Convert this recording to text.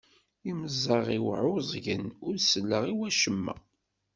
Imeẓẓaɣ-iw ɛuẓgen ur selleɣ i wacemma.